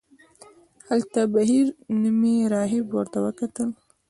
هلته بهیري نومې راهب ورته وکتل.